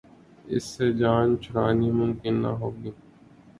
اس سے جان چھڑانی ممکن نہ ہوگی۔